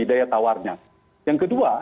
daya tawarnya yang kedua